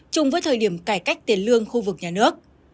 chung với thời điểm cải cách tiền lương khu vực nhà nước